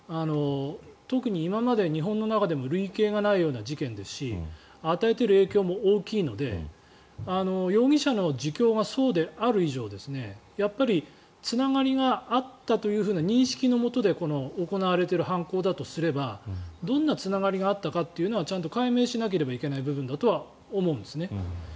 特に今まで日本の中でも類型がないような事件ですし与えている影響も大きいので容疑者の自供がそうである以上やっぱりつながりがあったという認識のもとで行われている犯行だとすればどんなつながりがあったかというのはちゃんと解明しなければいけない部分だとは思うんです。